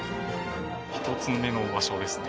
１つ目の場所ですね。